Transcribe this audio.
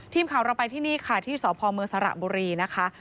ทีมข่าวเราไปที่นี่ค่ะที่สพเมืองสระบุรีนะคะ